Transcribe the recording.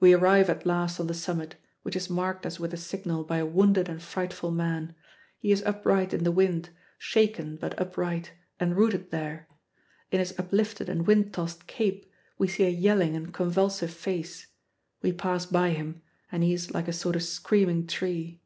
We arrive at last on the summit, which is marked as with a signal by a wounded and frightful man. He is upright in the wind, shaken but upright, enrooted there. In his uplifted and wind tossed cape we see a yelling and convulsive face. We pass by him, and he is like a sort of screaming tree.